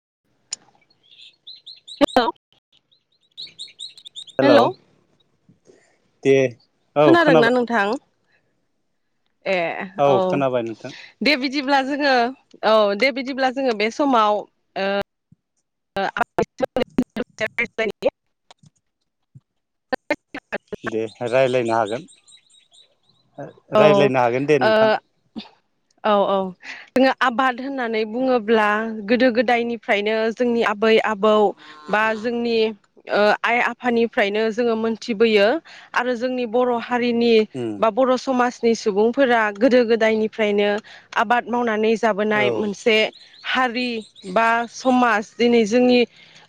[inaudible] [inaudible] Hello दे औ खोनादोंना खोनाबाय नोंथां? ए औ खोनाबाय नोंथां दे बिदि बिदिब्ला जोङो औ दे बिदिब्ला जोङो बे समाव ओ [unintelligible] से रायलायनो हागोन औ रायज्लायनो हागोन दे ओ नोंथां औ औ जोङो आबाद होननानै बुङोब्ला गोदो गोदायनिफ्रायनो जोंनि आबै आबौ बा जोंनि ओ आइ आफानिफ्रायनो जोङो मोनथिबोयो आरो जोंनि बर' हारिनि उम बा बर' सु समाजनि सुबुंफोरा गोदो गोदायनिफ्रायनो आबाद मावनानै औ जाबोनाय मोनसे हारि बा समाज दिनै जोंनि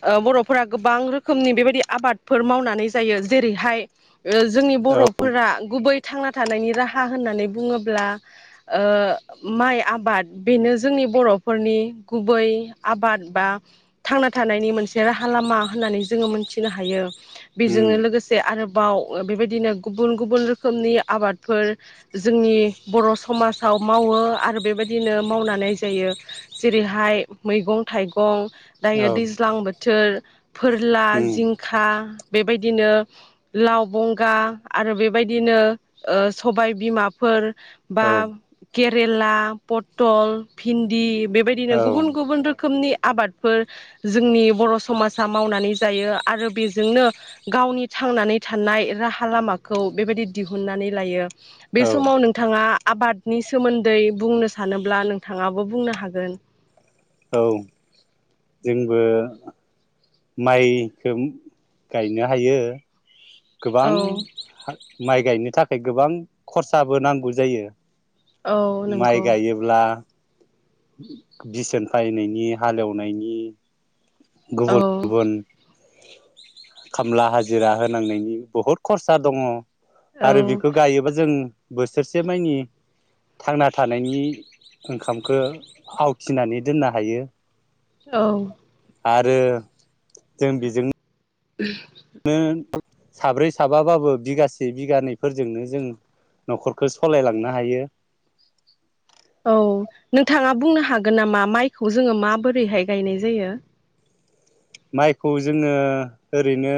ओ बर'फोरा गोबां रोखोमनि बेबायदि आबादफोर मावनानै जायो जेरैहाय ओ जोंनि औ बर'फोरा गुबै थांना थानायनि राहा होननानै बुङोब्ला ओ माइ आबाद बेनो जोंनि बर'फोरनि गुबै आबाद बा थांना थानायनि मोनसे राहा लामा होननानै जोङो मोनथिनो हायो। उम बेजोंनो लोगोसे आरो बाव बेबायदिनो गुबुन गुबुन रोखोमनि आबादफोर जोंनि बर' समाजाव मावो आरो बेबायदिनो मावनानै जायो जेरैहाय मैगं थाइगं दायो औ दैज्लां बोथो बोथोर फोरला उम जिंखा बेबायदिनो लाव बंगा आरो बेबायदिनो ओ सबाय बिमाफोर बा औ केरेला पटल भिन्दि बेबायदिनो औ गुबुन गुबुन रोखोमनि आबादफोर जोंनि बर' समाजा मावनानै जायो आरो बेजोंनो गावनि थांनानै थानाय राहा लामाखौ बेबायदि दिहुन दिहुननानै लायो बे औ समाव नोंथाङा आबादनि सोमोन्दै बुंनो सानोब्ला नोंथाङाबो बुंनो हागोन औ जोंबो माइखो गायनो हायो गोबां औ माइ गायनो थाखाय गोबां खरसाबो नांगौ जायो औ माइ नंगौ गायोब्ला बेसेन फायनायनि हालेवनायनि औ गुबुन गुबुन खामला हाजिरा होनांनायनि बहुद खरसा दङ औ आरो बेखौ गायोबा जों बोसोरसे मानि थांना थानायनि ओंखामखौ आवथिनानै दोननो हायो औ आरो जों बेजोंनो नो साब्रै साबाबाबो बिगासे बिगानैफोरजोंनो जों न'खरखौ सालायलांनो हायो औ नोंथाङा बुंनो हागोन नामा माइखौ जोङो माबोरैहाय गायनाय जायो माइखौ जोङो ओरैनो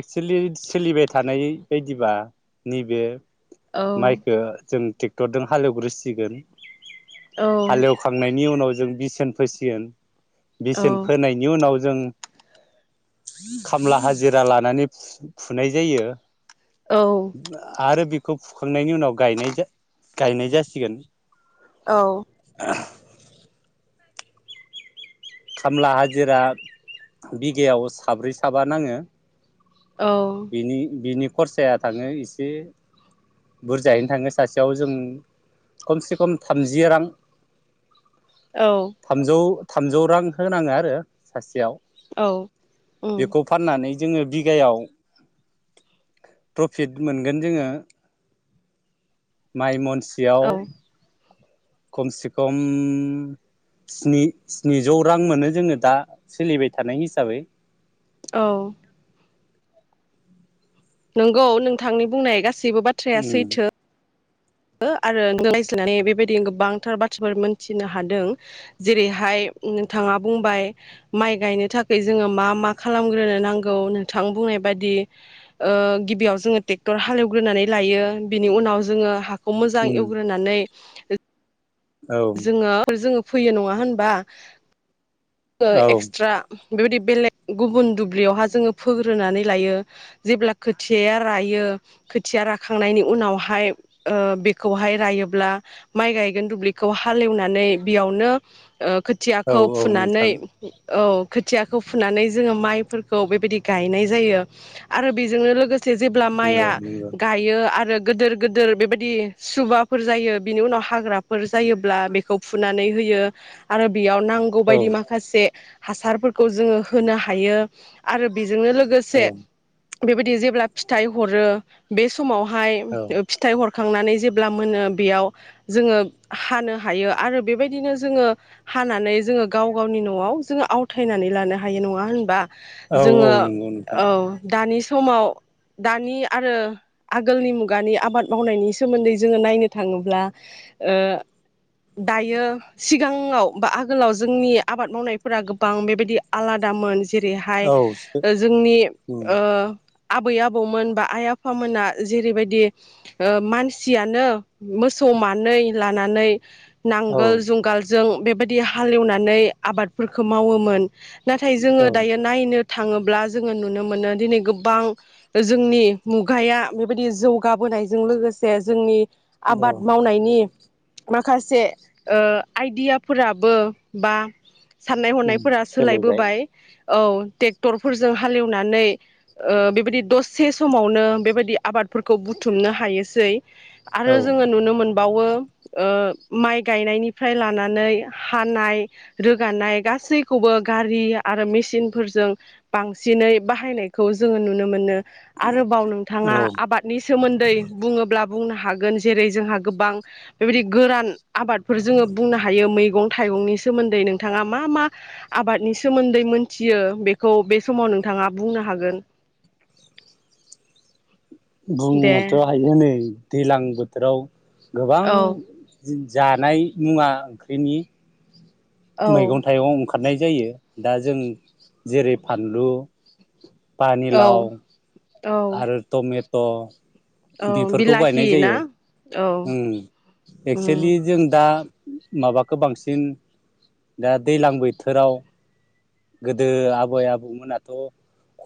एक्सेलि सोलिबाय थानाय बायदिबा नैबे औ माइखो जों ट्रेक्टरजों हालेवग्रोसिगोन औ हालेवखांनायनि उनाव जों बिसोन फोसिगोन औ बिसोन फोनायनि उनाव जों खामला हा जिरा लानानै फुनाय जायो। आरो बि खौ फुखांनायनि उनावाय गायनाय जा गायनाय जासिगोन औ खामला हाजिरा बिगायाव साब्रै साबा नाङो औ बिनि बिनि खरसाया थाङो एसे बुरजायैनो थाङो सासेयाव जों खमसे खम थामजि रां औ थामजौ थामजौ रां होनाङो आरो सासेयाव औ उम बेखौ फाननानै जोङो बिगायाव प्रफिट मोनगोन जोङो माइ मन सेयाव औ खमसे खम स्नि स्निजौ रां मोनो जोङो दा सोलिबाय थानाय हिसाबै औ नंगौ नोंथांनि बुंनाय गासि गासिबो बाथ्राया उम सैथो आरो रायज्लनानै बेबायदि गोबांथार बाथ्राफोर मोनथिनो हादों जेरैहाय नोंथाङा बुंबाय माइ गायनो थाखाय जोङो मा मा खालामग्रोनो नांगौ नोंथां बुंनाय बायदि ओ गिबियाव जोङो ट्रेक्टर हालेवग्रोनानै लायो बिनि उनाव जोङो खौ मोजां उम एवग्रोनानै [unintelligible] औ जोङो जोङो फैयो नङा होनबा? ओ औ एक्सट्रा बेबायदि बेलेग गुबुन दुब्लियावहा जोङो फोग्रोनानै लायो जेब्ला खोथियाया रायो खोथिया राखांनायनि उनावहाय ओ बेखौहाय रायोब्ला माइ गायगोन दुब्लि खौ हालेवनानै बेयावनो ओ औ खोथियाखौ औ फुनानै नोंथां औ खोथियाखौ फुनानै जोङो माइफोरखौ बेबायदि गायनाय जायो आरो बेजोंनो लोगोस से जेब्ला नंगौ माइया नंगौ गायो आरो गोदोर गोदोर बेबायदि सुबाफोर जायो बिनि उनाव हाग्राफोर जायोब्ला बेखौ फुनानै होयो आरो। बियाव नांगौ औ बायदि माखासे हासारफोरखौ जोङो होनो हायो। आरो बे जोंनो औ लोगोसे बेबायदि जेब्ला फिथाइ हरो बे समाव हाय औ ओ फिथाइ हर खांनानै जेब्ला मोनो बेयाव जोङो हानो हायो आरो बेबायदिनो जोङो हानानै जोङो गाव गावनि न'आव जोङो आवथायनानै लानो हायो नङा होनबा औ औ जोङो नंगौ नोंथां औ दानि समाव दानि आरो आगोलनि मुगानि आबाद मावनायनि सोमोन्दै जोङो नायनो थाङोब्ला ओ दायो सिगाङाव बा आगोलाव जोंनि आबाद मावनायफोरा गोबां बेबायदि आलादामोन जेरैहाय औ सो ओ जोंनि उम ओ आबै आबौमोन बा आइ आफामोना जेरैबायदि ओ मानसियानो मोसौ मानै लानानै औ नांगोल जुंगाल जों बेबायदि हालेवनानै आबादफोरखौ मावोमोन नाथाय जोङो औ दायो नायनो थाङोब्ला जोङो नुनो मोनो दिनै गोबां जोंनि मुगाया बेबायदि जौगाबोनायजों लोगोसे जोंनि औ आबाद मावनायनि माखासे ओ आइडियाफोराबो बा साननाय उम हनायफोरा सोलायबाय सोलायबोबाय औ टेक्टरफोरजों हालेवनानै बेबायदि दसे समावनो बेबायदि आबादफोरखौ बुथुमनो हायोसै आरो औ जोङो नुनो मोनबावो ओ माइ गायनायनिफ्राय लानानै हानाय रोगानाय गासैखौबो गारि आरो मेसिनफोरजों बांसिनै बाहायनायखौ जोङो नुनो मोनो आरोबाव नोंथाङा औ आबादनि सोमोन्दै बुङोब्ला बुंनो हागोन जेरै जोंहा गोबां बेबायदि गोरान आबादफोर जोङो बुंनो हायो मैगं थाइगंनि सोमोन्दै नोंथाङा मा मा आबादनि सोमोन्दै मोनथियो बेखौ बे समाव नोंथाङा बुंनो हागोन दे बुंनोथ' हायो नै दैलां बोथोराव गोबां औ जानाय मुवा ओंख्रिनि मैगं औ थाइगं ओंख्रि खारनाय जायो दा जों जेरै फानलु पानि लाउ औ आरो टमेथ' औ बेफोरखौ बिलाहि गायनाय ना जायो औ एक्स'लि उम जों दा माबाखौ बांसिन दा दैज्लां बोथोराव गोदो आबै आबौमोनाथ'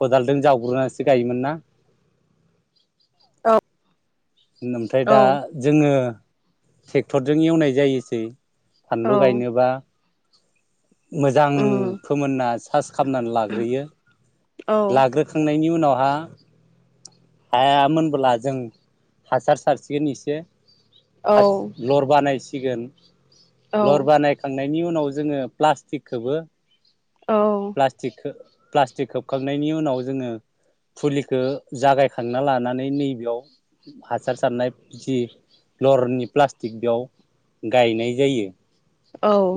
खदालजों जावग्रोनानैसो गायोमोन ना औ ओमफ्राय दा औ जोङो। ट्रेक्टरजों एवनाय जायोसै फानलु गायनोबा मोजां उम फोमोनना सार्स खालामनानै लाग्रोयो। औ लाग्रोखांनायनि उनावहा [unintelligible] हायामोनबोला जों हासार सारसिगोन एसे औ [unintelligible] लर बा नै सिगोन औ लर बानायखांनाय बेनि उनाव जोङो प्लास्टिकखौबो औ प्लास्टिक प्लास्टिक खोबखांनायनि उनाव जोङो फुलिखौ जागायखांना लानानै नैबेयाव हासार सारनाय जि फ्लरनि प्लास्टिक बेयाव गायनाय जायो।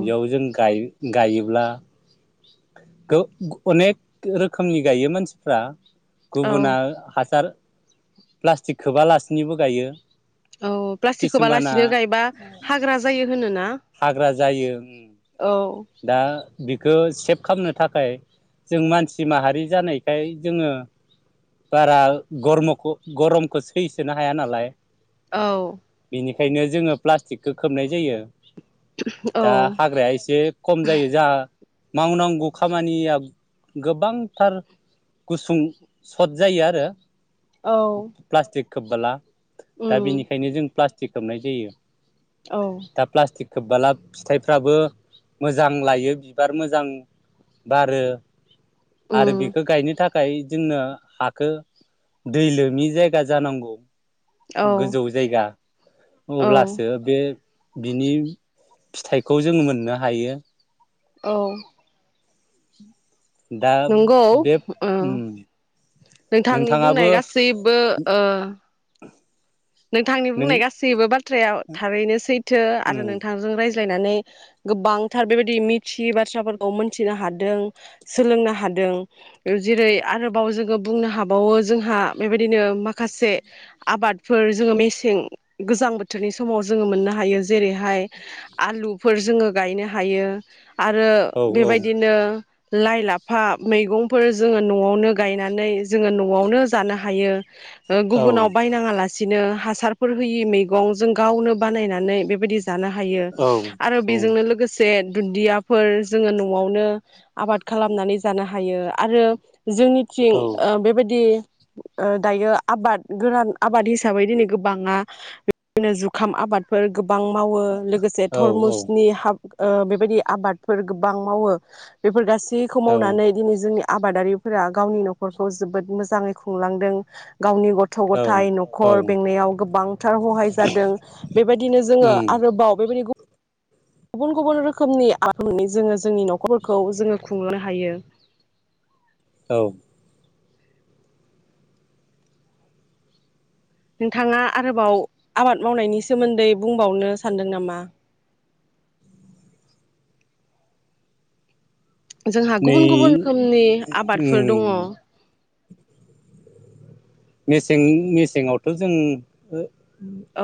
बेयाव जों गायो गायोब्ला गो अनेक रोखोमनि गायो मानसिफ्रा गुबुना हासार प्लास्टिक खोबालासिनोबो गायो। औ प्लास्टिक किसुमाना खौबालासिनो गायबा हाग्रा जायो होनोना हाग्रा जायो उम औ दा बिखौ सेभ खालामनो थाखाय जों मानसि माहारि जानायखाय जोङो बारा गरमोखौ गरमखौ सैसोनो हाया नालाय। औ बेनिखायनो जोङो प्लास्टिकखौ खोबनाय जायो। औ दा हाग्राया एसे खम जायो जा। मावनांगौ खामानिया गोबांथार गुसुं सर्ट जायो आरो। औ प्लास्टिक खोबबोला दा उम बिनिखायनो जों प्ला स्टिक खोबनाय जायो। औ दा प्लास्टिक खोबबाला फिथाइफ्राबो मोजां लायो बिबार मोजां बारो आरो उम बेखौ गायनो था खाय जोंनो हाखो दै लोमि जायगा जानांगौ औ गोजौ जायगा औ अब्लासो बे बिनि फिथाइखौ जोङो मोननो हायो औ दा नंगौ बे ओ उम नोंथांनि नोंथाङाबो बुंनाय गासैबो ओ नोंथांनि नों बुंनाय गासैबो बा थ्रायाव थारैनो सै थो आरो उम नोंथांजों राय ज्लायनानै गोबांथार बेबायदि मिथियै बाथ्राफोरखौ मोनथिनो हादों सोलोंनो हादों जेरै आरोबाव जोङो बुंनो हाबावो जोंहा बेबायदिनो माखासे आबाद फोर जोङो मेसें गोजां बोथोरनि समाव जोङो मोननो हायो जेरैहाय आलुफोर जोङो गायनो हायो आरो औ औ बेबायदिनो लाइ लाफा मैगंफोर जोङो न'आवनो गायनानै जोङो न'आवनो जानो हायो ओ औ गुबुनाव बायनाङा ला सिनो हासारफोर होयि मैगं जों गावनो बानायनानै बेबायदि जानो हायो औ आरो औ बेजोंनो लोगोसे दुन्दियाफोर जोङो न'आवनो आबाद खालामनानै जानो हायो आरो जोंनिथिं ओ बेबायदि ओ दायो आबाद गोरान आबाद हिसाबै हिसाबै दिनै गोबाङा बेदिनो जुखाम आबादफोर गोबां मावो लोगोसे थरमुसनि हाब ओ बेबायदि आबादफोर गोबां मावो बेफोर गाससि सिखौ औ मावनानै दिनै जोंनि आबादारिफोरा गावनि न'खरखौ जोबोद मोजाङै खुंलांदों गावनि गथ' औ गथाय न'ख औ खर बेंनायाव गोबांथार हहाय जादों बेबायदिनो जोङो उम आरोबाव बेबायदि गुबुन गुबुन रोखोमनिनि जोङो जोंनि न'खरफोरखौ जोङो खुंलांनो हायो औ नोंथाङा आरोबाव आबाद मावनायनि सोमोन्दै बुंबावनो सानदों नामा जोंहा नै गुबुन गुबुन रोखोमनि आबादफोर दङ उम मेसें मेसेंआवथ' जों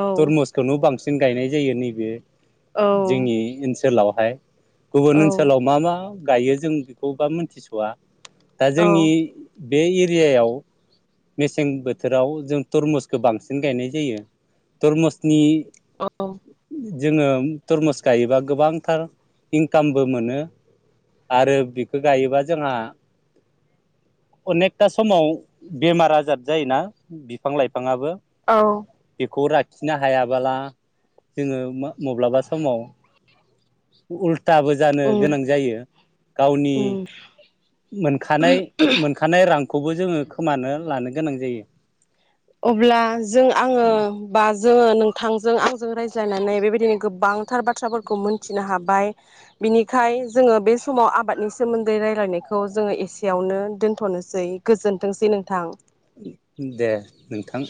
औ तरमुसखौनो बांसिन जों गायनाय जायो नैबे औ जोंनि ओनसोलाव हाय गुबुन ओनसोलाव मा मा गायो जों बेखौबा मोनथिस'वा दा जोंनि औ बे एरियायाव मेसें बोथोराव जों तरमुसखौ बांसिन गायनाय जायो तरमुसनि औ जोङो तरमुस गायोबा गोबांथार इनकामबो मोनो आरो बेखौ गायोबा जोंहा अनेकथा समाव बेमारा बेजाद जायोना बिफां लाइफाङाबो औ खौ लाखिनो हायाबोला जोङो मब्लाबा समाव उल थाबो जानो उम गोनां जायो गावनि उम मोनखानाय मोनखानाय रां खौबो जोङो खोमानो लानो गोनां जायो अब्ला जों आङो बा जोङो नोंथांजों आंजों रायज्लायनानै बेबायदिनो गोबांथार बाथ्राफोरखौ मोनथिनो हाबाय बिनिखाय जोङो बे समाव आबादनि सोमोन्दै रायज्लायनायखौ जोङो एसेयावनो दोनथ'नोसै गोजोनथोंसै नोंथां दे नोंथां